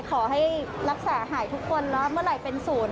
ขอให้รักษาหายทุกคนแล้วเมื่อไหร่เป็นศูนย์